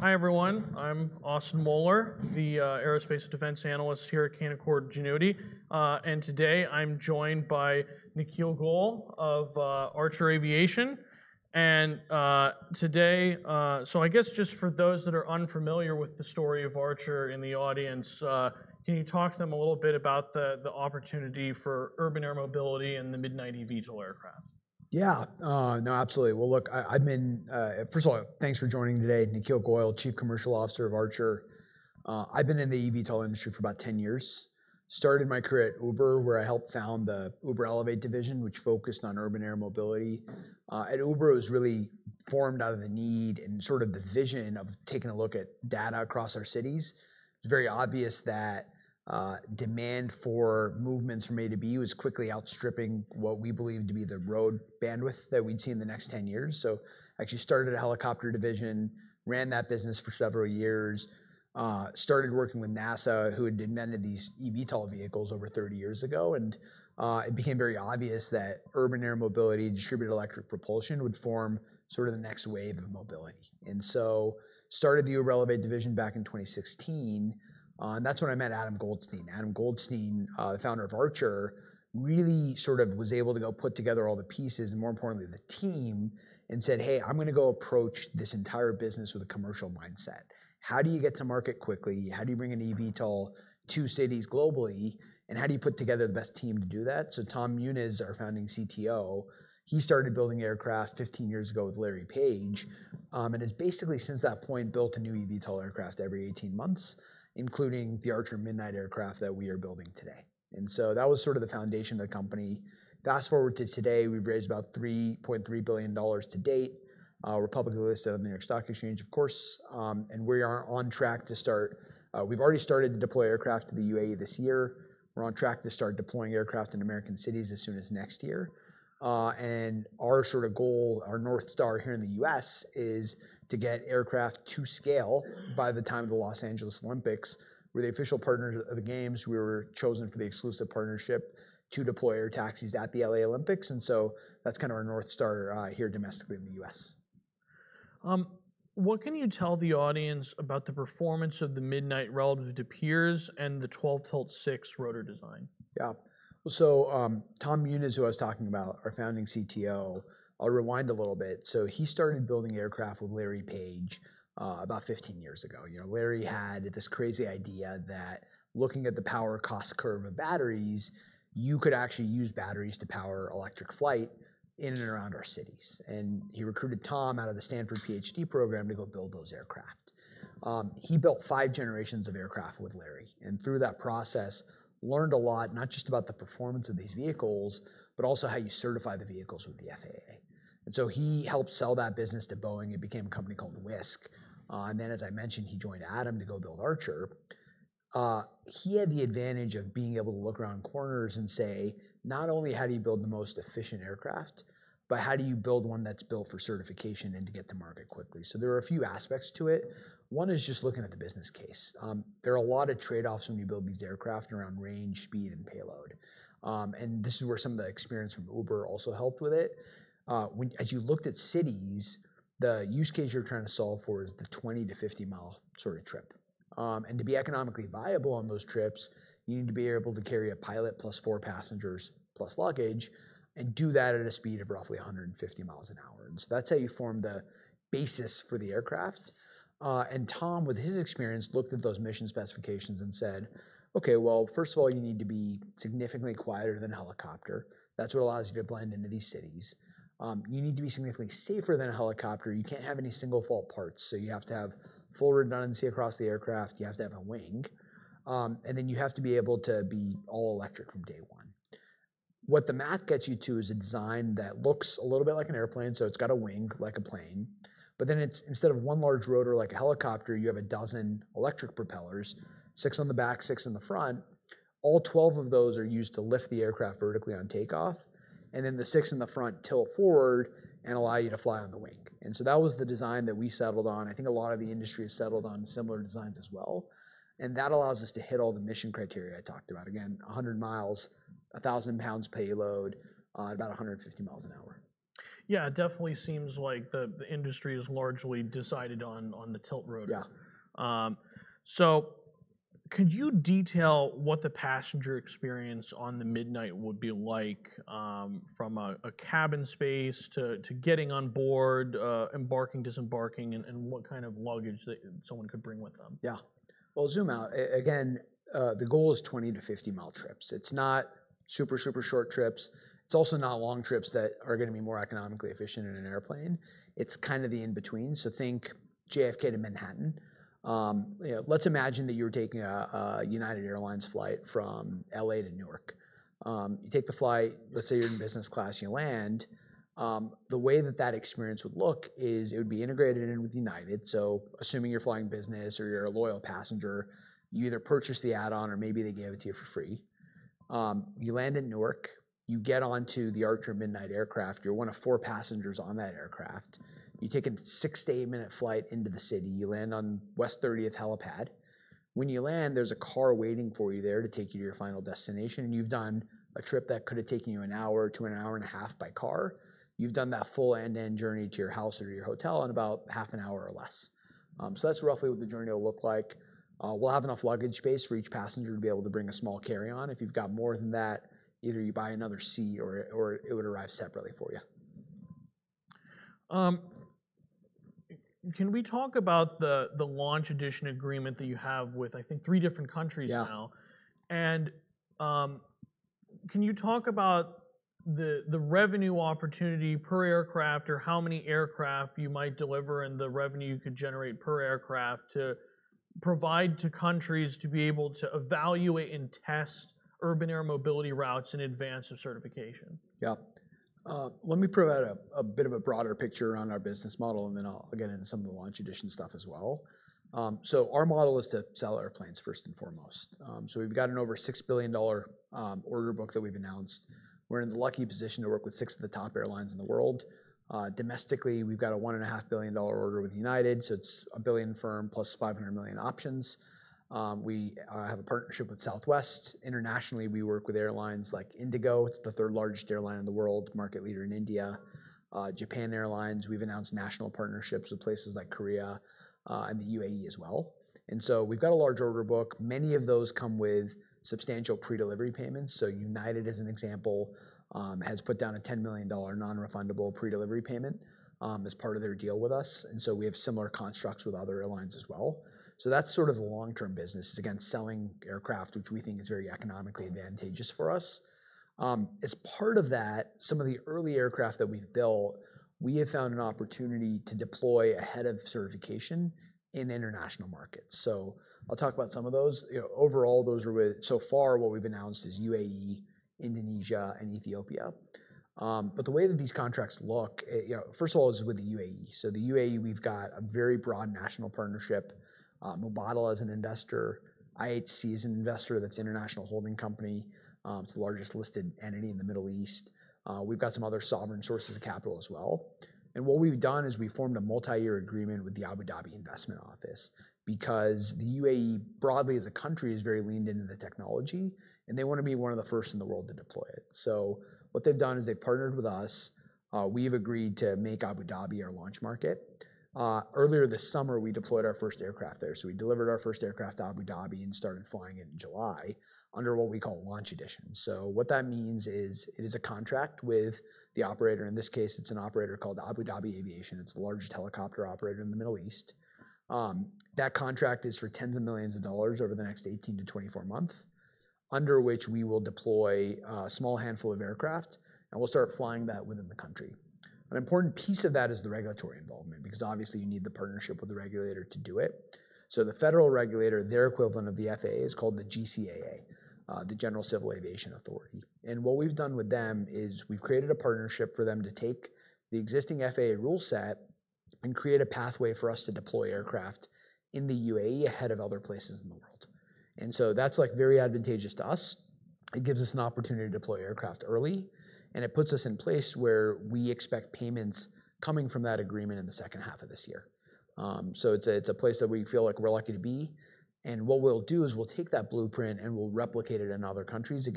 All right. Hi, everyone. I'm Austin Moeller, the Aerospace and Defense Analyst here at Canaccord Genuity. Today I'm joined by Nikhil Goel of Archer Aviation. I guess just for those that are unfamiliar with the story of Archer in the audience, can you talk to them a little bit about the opportunity for urban air mobility and the Midnight eVTOL aircraft? Yeah. No, absolutely. First of all, thanks for joining today, Nikhil Goel, Chief Commercial Officer of Archer. I've been in the eVTOL industry for about 10 years. Started my career at Uber, where I helped found the Uber Elevate division, which focused on urban air mobility. Uber was really formed out of the need and sort of the vision of taking a look at data across our cities. It was very obvious that demand for movements from A to B was quickly outstripping what we believed to be the road bandwidth that we'd see in the next 10 years. I actually started a helicopter division, ran that business for several years, started working with NASA, who had invented these eVTOL vehicles over 30 years ago. It became very obvious that urban air mobility and distributed electric propulsion would form sort of the next wave of mobility. I started the Uber Elevate division back in 2016. That's when I met Adam Goldstein. Adam Goldstein, the Founder of Archer, really sort of was able to go put together all the pieces, and more importantly, the team, and said, hey, I'm going to go approach this entire business with a commercial mindset. How do you get to market quickly? How do you bring an eVTOL to cities globally? How do you put together the best team to do that? Tom Muniz, our founding CTO, started building aircraft 15 years ago with Larry Page, and has basically, since that point, built a new eVTOL aircraft every 18 months, including the Archer Midnight aircraft that we are building today. That was sort of the foundation of the company. Fast forward to today, we've raised about $3.3 billion to date. We're publicly listed on the New York Stock Exchange, of course. We are on track to start. We've already started to deploy aircraft to the UAE this year. We're on track to start deploying aircraft in American cities as soon as next year. Our sort of goal, our North Star here in the U.S., is to get aircraft to scale by the time of the Los Angeles Olympics. We're the official partners of the games. We were chosen for the exclusive partnership to deploy air taxis at the L.A. Olympics. That's kind of our North Star here domestically in the U.S. What can you tell the audience about the performance of the Midnight relative to peers and the 12-tilt-six rotor design? Yeah. Tom Muniz, who I was talking about, our founding CTO, I'll rewind a little bit. He started building aircraft with Larry Page about 15 years ago. Larry had this crazy idea that looking at the power cost curve of batteries, you could actually use batteries to power electric flight in and around our cities. He recruited Tom out of the Stanford PhD program to go build those aircraft. He built five generations of aircraft with Larry. Through that process, learned a lot, not just about the performance of these vehicles, but also how you certify the vehicles with the FAA. He helped sell that business to Boeing. It became a company called Wisk. As I mentioned, he joined Adam to go build Archer. He had the advantage of being able to look around corners and say, not only how do you build the most efficient aircraft, but how do you build one that's built for certification and to get to market quickly? There are a few aspects to it. One is just looking at the business case. There are a lot of trade-offs when you build these aircraft around range, speed, and payload. This is where some of the experience from Uber also helped with it. As you looked at cities, the use case you're trying to solve for is the 20-50 mi sort of trip. To be economically viable on those trips, you need to be able to carry a pilot plus four passengers plus luggage and do that at a speed of roughly 150 mi an hour. That's how you form the basis for the aircraft. Tom, with his experience, looked at those mission specifications and said, OK, first of all, you need to be significantly quieter than a helicopter. That's what allows you to blend into these cities. You need to be significantly safer than a helicopter. You can't have any single-fault parts. You have to have full redundancy across the aircraft. You have to have a wing. You have to be able to be all electric from day one. What the math gets you to is a design that looks a little bit like an airplane. It's got a wing like a plane. Instead of one large rotor like a helicopter, you have a dozen electric propellers, six on the back, six in the front. All 12 of those are used to lift the aircraft vertically on takeoff. The six in the front tilt forward and allow you to fly on the wing. That was the design that we settled on. I think a lot of the industry has settled on similar designs as well. That allows us to hit all the mission criteria I talked about. Again, 100 mi, 1,000 lbs payload, about 150 mi an hour. Yeah, it definitely seems like the industry is largely decided on the tilt rotor. Yeah. Could you detail what the passenger experience on the Midnight would be like, from a cabin space to getting on board, embarking, disembarking, and what kind of luggage that someone could bring with them? Yeah. Zoom out. Again, the goal is 20-50 mi trips. It's not super, super short trips. It's also not long trips that are going to be more economically efficient in an airplane. It's kind of the in between. Think JFK to Manhattan. Imagine that you're taking a United Airlines flight from L.A. to New York. You take the flight. Let's say you're in business class and you land. The way that that experience would look is it would be integrated in with United. Assuming you're flying business or you're a loyal passenger, you either purchase the add-on or maybe they gave it to you for free. You land in Newark. You get onto the Archer Midnight aircraft. You're one of four passengers on that aircraft. You take a 60-minute flight into the city. You land on West 30th Heliport. When you land, there's a car waiting for you there to take you to your final destination. You've done a trip that could have taken you an hour to an hour and a half by car. You've done that full end-to-end journey to your house or to your hotel in about half an hour or less. That's roughly what the journey will look like. We'll have enough luggage space for each passenger to be able to bring a small carry-on. If you've got more than that, either you buy another seat or it would arrive separately for you. Can we talk about the launch edition agreement that you have with, I think, three different countries now? Yeah. Can you talk about the revenue opportunity per aircraft or how many aircraft you might deliver and the revenue you could generate per aircraft to provide to countries to be able to evaluate and test urban air mobility routes in advance of certification? Yeah. Let me provide a bit of a broader picture on our business model, and then I'll get into some of the launch edition stuff as well. Our model is to sell airplanes first and foremost. We've got an over $6 billion order book that we've announced. We're in the lucky position to work with six of the top airlines in the world. Domestically, we've got a $1.5 billion order with United. It's $1 billion firm plus $500 million options. We have a partnership with Southwest. Internationally, we work with airlines like IndiGo. It's the third largest airline in the world, market leader in India. Japan Airlines, we've announced national partnerships with places like Korea and the UAE as well. We've got a large order book. Many of those come with substantial pre-delivery payments. United, as an example, has put down a $10 million non-refundable pre-delivery payment as part of their deal with us. We have similar constructs with other airlines as well. That's sort of the long-term business. It's again selling aircraft, which we think is very economically advantageous for us. As part of that, some of the early aircraft that we've built, we have found an opportunity to deploy ahead of certification in international markets. I'll talk about some of those. Overall, those are so far what we've announced is UAE, Indonesia, and Ethiopia. The way that these contracts look, first of all, is with the UAE. The UAE, we've got a very broad national partnership. Mubadala is an investor. IHC is an investor that's an International Holding Company. It's the largest listed entity in the Middle East. We've got some other sovereign sources of capital as well. What we've done is we've formed a multi-year agreement with the Abu Dhabi Investment Office because the UAE, broadly, as a country, is very leaned into the technology. They want to be one of the first in the world to deploy it. What they've done is they've partnered with us. We've agreed to make Abu Dhabi our launch market. Earlier this summer, we deployed our first aircraft there. We delivered our first aircraft to Abu Dhabi and started flying it in July under what we call launch edition. What that means is it is a contract with the operator. In this case, it's an operator called Abu Dhabi Aviation. It's the largest helicopter operator in the Middle East. That contract is for tens of millions of dollars over the next 18-24 months, under which we will deploy a small handful of aircraft. We'll start flying that within the country. An important piece of that is the regulatory involvement because obviously, you need the partnership with the regulator to do it. The federal regulator, their equivalent of the FAA, is called the GCAA, the General Civil Aviation Authority. What we've done with them is we've created a partnership for them to take the existing FAA rule set and create a pathway for us to deploy aircraft in the UAE ahead of other places in the world. That is very advantageous to us. It gives us an opportunity to deploy aircraft early, and it puts us in a place where we expect payments coming from that agreement in the second half of this year. It's a place that we feel like we're lucky to be. What we'll do is we'll take that blueprint and we'll replicate it in other countries.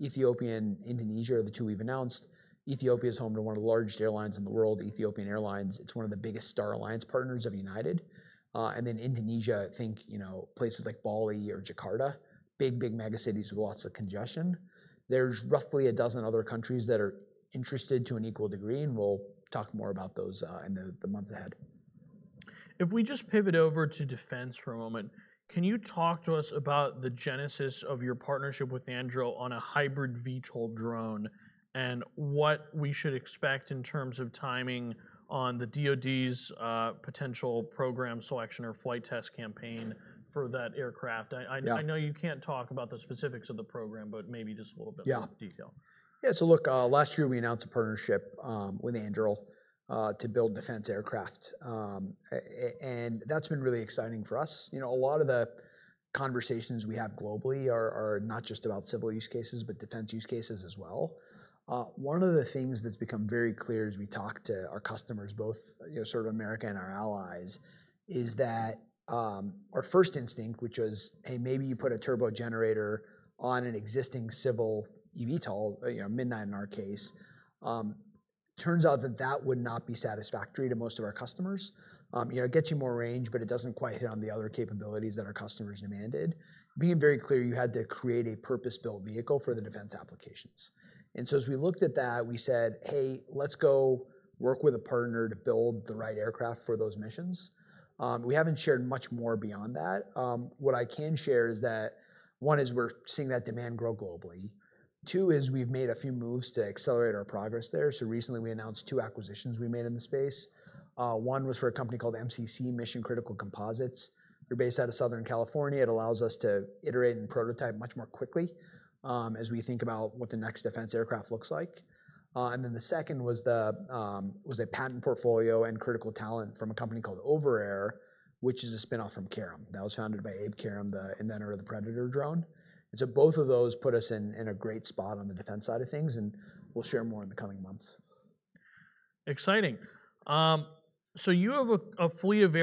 Ethiopia and Indonesia are the two we've announced. Ethiopia is home to one of the largest airlines in the world, Ethiopian Airlines. It's one of the biggest Star Alliance partners of United. Indonesia, think places like Bali or Jakarta, big, big megacities with lots of congestion. There's roughly a dozen other countries that are interested to an equal degree. We'll talk more about those in the months ahead. If we just pivot over to defense for a moment, can you talk to us about the genesis of your partnership with Anduril on a hybrid eVTOL drone and what we should expect in terms of timing on the DoD's potential program selection or flight test campaign for that aircraft? I know you can't talk about the specifics of the program, but maybe just a little bit more detail. Yeah. Yeah. Last year, we announced a partnership with Anduril to build defense aircraft. That's been really exciting for us. A lot of the conversations we have globally are not just about civil use cases, but defense use cases as well. One of the things that's become very clear as we talk to our customers, both sort of America and our allies, is that our first instinct, which was, hey, maybe you put a turbo generator on an existing civil eVTOL, Midnight in our case, turns out that that would not be satisfactory to most of our customers. It gets you more range, but it doesn't quite hit on the other capabilities that our customers demanded. It became very clear you had to create a purpose-built vehicle for the defense applications. As we looked at that, we said, hey, let's go work with a partner to build the right aircraft for those missions. We haven't shared much more beyond that. What I can share is that one is we're seeing that demand grow globally. Two is we've made a few moves to accelerate our progress there. Recently, we announced two acquisitions we made in the space. One was for a company called MCC, Mission Critical Composites. They're based out of Southern California. It allows us to iterate and prototype much more quickly as we think about what the next defense aircraft looks like. The second was a patent portfolio and critical talent from a company called Overair, which is a spin-off from Karem. That was founded by Abe Karem, the inventor of the Predator drone. Both of those put us in a great spot on the defense side of things. We'll share more in the coming months. Exciting. You have a fleet of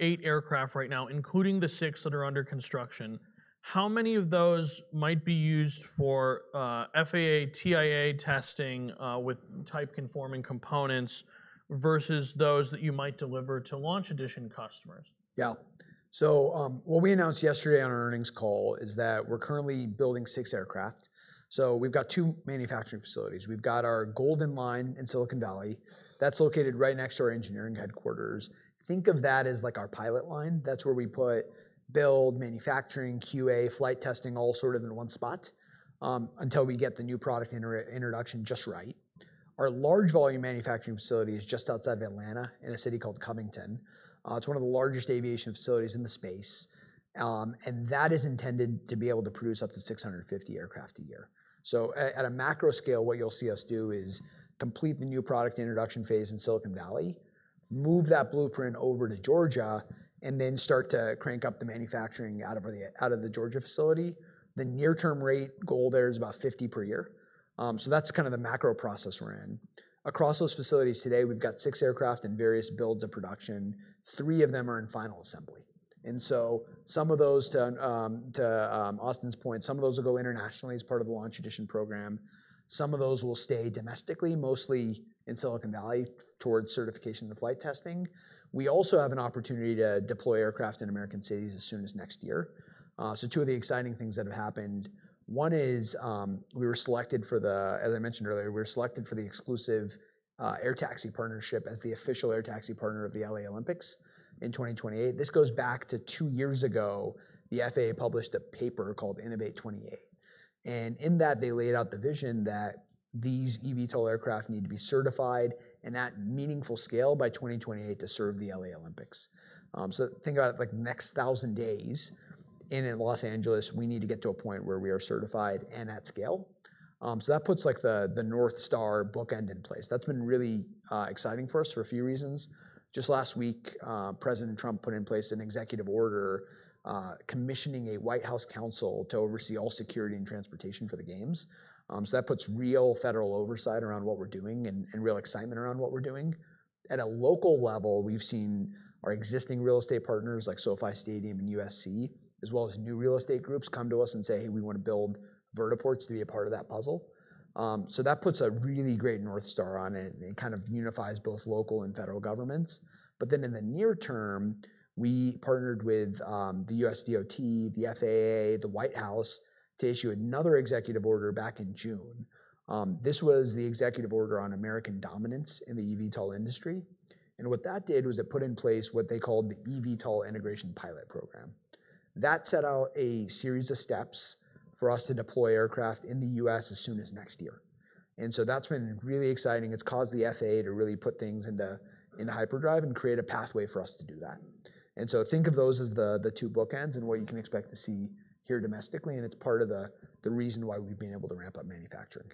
eight aircraft right now, including the six that are under construction. How many of those might be used for FAA/TIA testing with type-conforming components versus those that you might deliver to launch edition customers? Yeah. What we announced yesterday on our earnings call is that we're currently building six aircraft. We've got two manufacturing facilities. We've got our golden line in Silicon Valley. That's located right next to our engineering headquarters. Think of that as like our pilot line. That's where we put build, manufacturing, QA, flight testing, all sort of in one spot until we get the new product introduction just right. Our large volume manufacturing facility is just outside of Atlanta in a city called Covington. It's one of the largest aviation facilities in the space. That is intended to be able to produce up to 650 aircraft a year. At a macro scale, what you'll see us do is complete the new product introduction phase in Silicon Valley, move that blueprint over to Georgia, and then start to crank up the manufacturing out of the Georgia facility. The near-term rate goal there is about 50 per year. That's kind of the macro process we're in. Across those facilities today, we've got six aircraft in various builds of production. Three of them are in final assembly. Some of those, to Austin's point, some of those will go internationally as part of the launch edition program. Some of those will stay domestically, mostly in Silicon Valley towards certification and flight testing. We also have an opportunity to deploy aircraft in American cities as soon as next year. Two of the exciting things that have happened, one is we were selected for the, as I mentioned earlier, we were selected for the exclusive air taxi partnership as the official air taxi partner of the L.A. Olympics in 2028. This goes back to two years ago. The FAA published a paper called Innovate28. In that, they laid out the vision that these eVTOL aircraft need to be certified and at meaningful scale by 2028 to serve the L.A. Olympics. Think about it, like the next 1,000 days in Los Angeles, we need to get to a point where we are certified and at scale. That puts the North Star bookend in place. That's been really exciting for us for a few reasons. Just last week, President Trump put in place an executive order commissioning a White House counsel to oversee all security and transportation for the games. That puts real federal oversight around what we're doing and real excitement around what we're doing. At a local level, we've seen our existing real estate partners like SoFi Stadium and USC, as well as new real estate groups come to us and say, hey, we want to build vertiports to be a part of that puzzle. That puts a really great North Star on it. It kind of unifies both local and federal governments. In the near term, we partnered with the U.S. DOT, the FAA, the White House to issue another executive order back in June. This was the executive order on American dominance in the eVTOL industry. What that did was it put in place what they called the eVTOL Integration Pilot Program. That set out a series of steps for us to deploy aircraft in the U.S. as soon as next year. That's been really exciting. It's caused the FAA to really put things into hyperdrive and create a pathway for us to do that. Think of those as the two bookends and what you can expect to see here domestically. It's part of the reason why we've been able to ramp up manufacturing.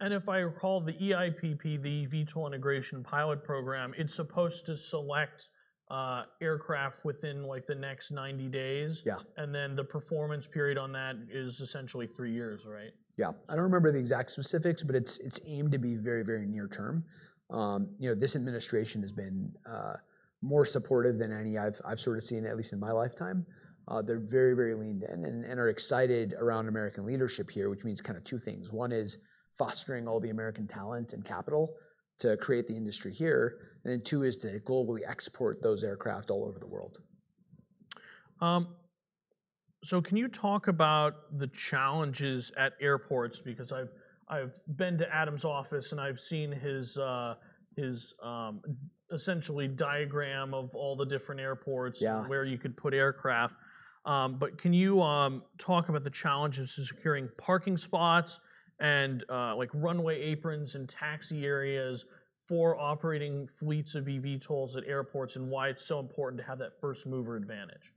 If I recall, the eIPP, the eVTOL Integration Pilot Program, is supposed to select aircraft within the next 90 days. Yeah. The performance period on that is essentially three years, right? Yeah. I don't remember the exact specifics, but it's aimed to be very, very near term. This administration has been more supportive than any I've sort of seen, at least in my lifetime. They're very, very leaned in and are excited around American leadership here, which means kind of two things. One is fostering all the American talent and capital to create the industry here. Two is to globally export those aircraft all over the world. Can you talk about the challenges at airports? I've been to Adam's office, and I've seen his essentially diagram of all the different airports where you could put aircraft. Can you talk about the challenges to securing parking spots and runway aprons and taxi areas for operating fleets of eVTOLs at airports and why it's so important to have that first mover advantage?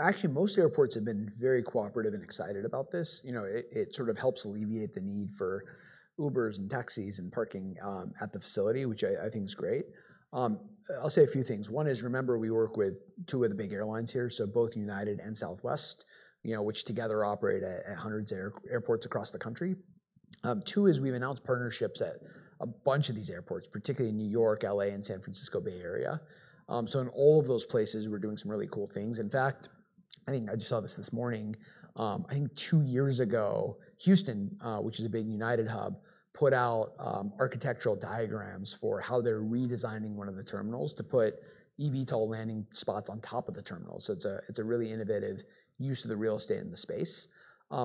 Actually, most airports have been very cooperative and excited about this. It sort of helps alleviate the need for Ubers and taxis and parking at the facility, which I think is great. I'll say a few things. One remember is we work with two of the big airlines here, so both United and Southwest, which together operate at hundreds of airports across the country. Two is we've announced partnerships at a bunch of these airports, particularly in New York, L.A., and San Francisco Bay Area. In all of those places, we're doing some really cool things. In fact, I think I just saw this this morning. I think two years ago, Houston, which is a big United hub, put out architectural diagrams for how they're redesigning one of the terminals to put eVTOL landing spots on top of the terminal. It's a really innovative use of the real estate in the space. There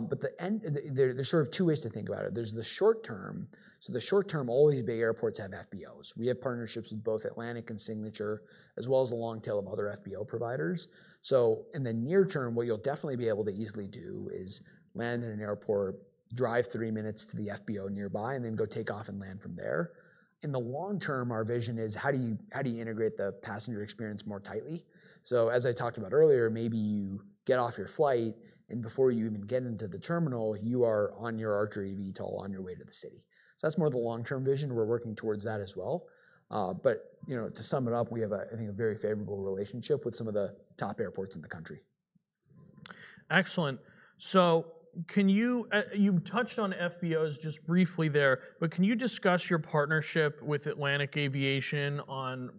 are sort of two ways to think about it. There's the short-term. In the short-term, all these big airports have FBOs. We have partnerships with both Atlantic and Signature, as well as a long tail of other FBO providers. In the near term, what you'll definitely be able to easily do is land in an airport, drive three minutes to the FBO nearby, and then go take off and land from there. In the long-term, our vision is how do you integrate the passenger experience more tightly. As I talked about earlier, maybe you get off your flight, and before you even get into the terminal, you are on your Archer eVTOL on your way to the city. That's more of the long-term vision. We're working towards that as well. To sum it up, we have, I think, a very favorable relationship with some of the top airports in the country. Excellent. You touched on FBOs just briefly there. Can you discuss your partnership with Atlantic Aviation on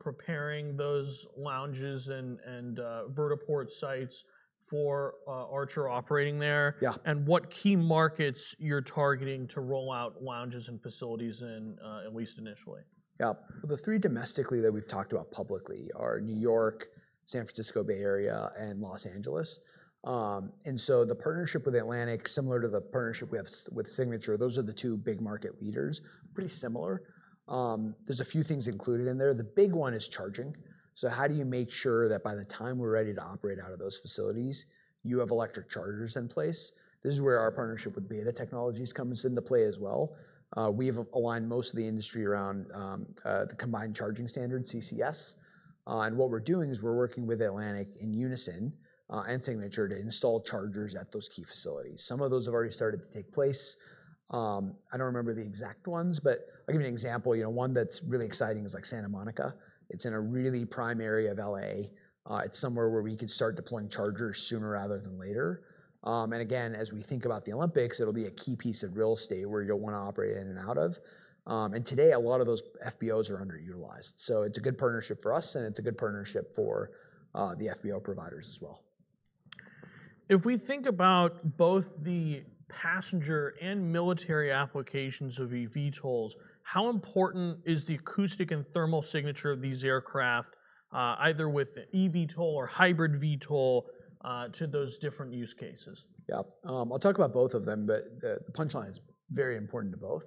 preparing those lounges and vertiport sites for Archer operating there? Yeah. What key markets are you targeting to roll out lounges and facilities in, at least initially? Yeah. The three domestically that we've talked about publicly are New York, San Francisco Bay Area, and Los Angeles. The partnership with Atlantic, similar to the partnership we have with Signature, those are the two big market leaders, pretty similar. There's a few things included in there. The big one is charging. How do you make sure that by the time we're ready to operate out of those facilities, you have electric chargers in place? This is where our partnership with BETA Technologies comes into play as well. We've aligned most of the industry around the combined charging standard, CCS. What we're doing is we're working with Atlantic in unison and Signature to install chargers at those key facilities. Some of those have already started to take place. I don't remember the exact ones, but I'll give you an example. One that's really exciting is like Santa Monica. It's in a really prime area of L.A. It's somewhere where we could start deploying chargers sooner rather than later. As we think about the Olympics, it'll be a key piece of real estate where you'll want to operate in and out of. Today, a lot of those FBOs are underutilized. It's a good partnership for us. It's a good partnership for the FBO providers as well. If we think about both the passenger and military applications of eVTOLs, how important is the acoustic and thermal signature of these aircraft, either with eVTOL or hybrid eVTOL, to those different use cases? Yeah. I'll talk about both of them. The punchline is very important to both.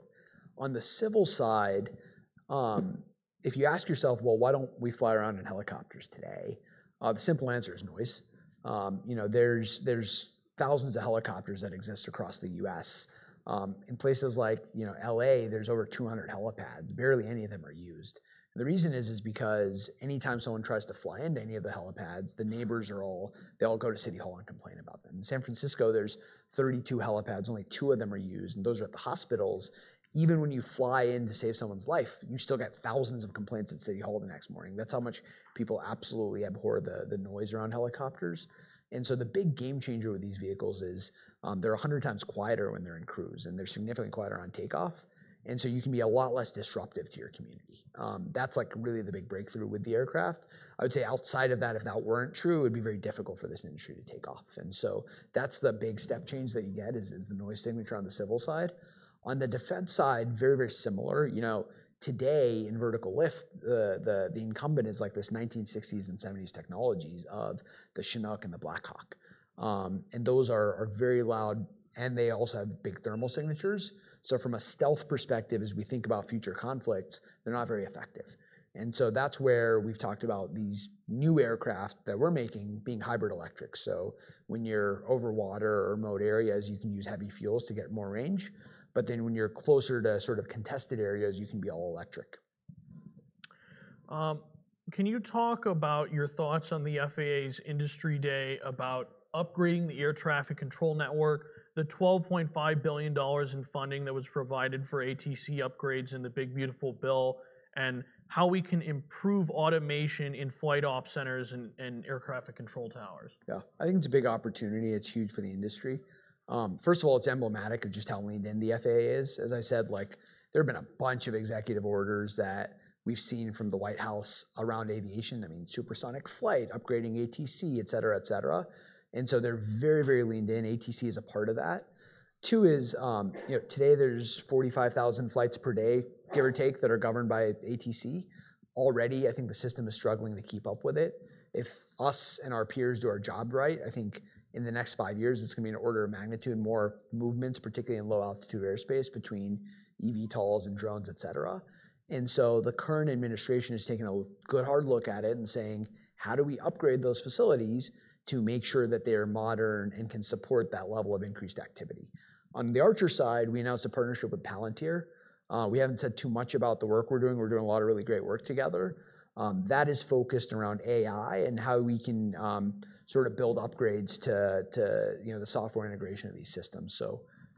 On the civil side, if you ask yourself, why don't we fly around in helicopters today? The simple answer is noise. There are thousands of helicopters that exist across the U.S. In places like L.A., there are over 200 helipads. Barely any of them are used. The reason is because anytime someone tries to fly into any of the helipads, the neighbors all go to City Hall and complain about them. In San Francisco, there are 32 helipads. Only two of them are used, and those are at the hospitals. Even when you fly in to save someone's life, you still get thousands of complaints at City Hall the next morning. That's how much people absolutely abhor the noise around helicopters. The big game changer with these vehicles is they're 100x quieter when they're in cruise, and they're significantly quieter on takeoff. You can be a lot less disruptive to your community. That's really the big breakthrough with the aircraft. I would say outside of that, if that weren't true, it would be very difficult for this industry to take off. That's the big step change that you get, the noise signature on the civil side. On the defense side, very, very similar. Today, in vertical lift, the incumbent is like this 1960s and 1970s technologies of the Chinook and the Blackhawk. Those are very loud, and they also have big thermal signatures. From a stealth perspective, as we think about future conflicts, they're not very effective. That's where we've talked about these new aircraft that we're making being hybrid electric. When you're over water or remote areas, you can use heavy fuels to get more range, but then when you're closer to sort of contested areas, you can be all electric. Can you talk about your thoughts on the FAA's industry day about upgrading the air traffic control network, the $12.5 billion in funding that was provided for ATC upgrades in the Big Beautiful Bill, and how we can improve automation in flight op centers and air traffic control towers? Yeah. I think it's a big opportunity. It's huge for the industry. First of all, it's emblematic of just how leaned in the FAA is. As I said, there have been a bunch of executive orders that we've seen from the White House around aviation. I mean, supersonic flight, upgrading ATC, etc., etc. They're very, very leaned in. ATC is a part of that. Two is today, there's 45,000 flights per day, give or take, that are governed by ATC. Already, I think the system is struggling to keep up with it. If us and our peers do our job right, I think in the next five years, it's going to be an order of magnitude more movements, particularly in low altitude airspace between eVTOLs and drones, etc. The current administration is taking a good, hard look at it and saying, how do we upgrade those facilities to make sure that they are modern and can support that level of increased activity? On the Archer side, we announced a partnership with Palantir. We haven't said too much about the work we're doing. We're doing a lot of really great work together. That is focused around AI and how we can sort of build upgrades to the software integration of these systems.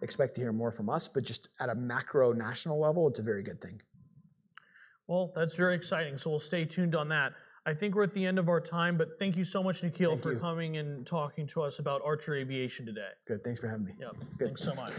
Expect to hear more from us. Just at a macro national level, it's a very good thing. That's very exciting. We will stay tuned on that. I think we're at the end of our time, but thank you so much, Nikhil, for coming and talking to us about Archer Aviation today. Good, thanks for having me. Yeah, thanks so much.